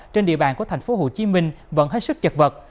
trên địa bàn của thành phố hồ chí minh vẫn hết sức chật vật